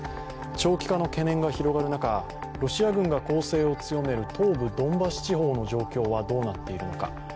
長期化の懸念が広がる中、ロシア軍が攻勢を強める東部ドンバス地方の状況はどうなっているのか。